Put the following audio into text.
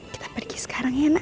kita pergi sekarang ya nak